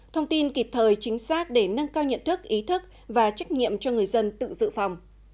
thông tin kịp thời chính xác để nâng cao nhận thức ý thức và trách nhiệm cho người dân tự dự phòng